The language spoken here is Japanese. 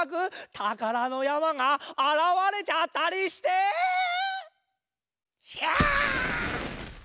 たからのやまがあらわれちゃったりして⁉ひゃあ！